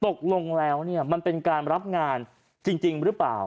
ตกลงแล้วเนี่ยมันเป็นการรับงานจริงหรือเปล่า